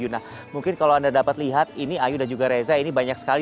nah mungkin kalau anda dapat lihat ini ayu dan juga reza ini banyak sekali